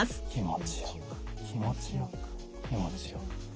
気持ちよく気持ちよく。